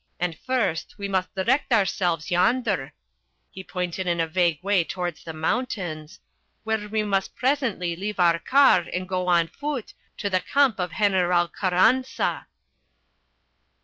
And first we must direct ourselves yonder" he pointed in a vague way towards the mountains "where we must presently leave our car and go on foot, to the camp of General Carranza."